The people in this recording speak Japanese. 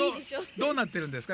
どうなってるんですか？